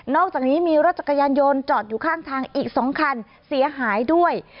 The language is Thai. อกจากนี้มีรถจักรยานยนต์จอดอยู่ข้างทางอีก๒คันเสียหายด้วย